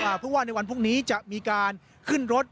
เพราะว่าในวันพรุ่งนี้จะมีการขึ้นรถ